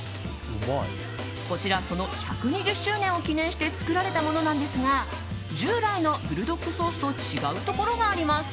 こちら、その１２０周年を記念して作られたものなんですが従来のブルドックソースと違うところがあります。